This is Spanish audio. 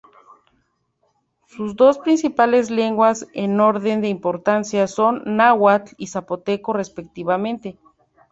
Sus dos principales lenguas en orden de importancia son la Náhuatl y Zapoteco respectivamente.